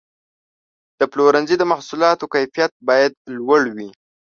د پلورنځي د محصولاتو کیفیت باید لوړ وي.